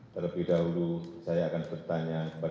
terlebih dahulu saya akan bertanya kepada